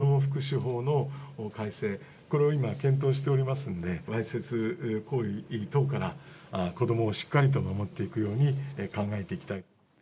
児童福祉法の改正、これを今、検討しておりますので、わいせつ行為等から子どもをしっかりと守っていくように考えていきたい。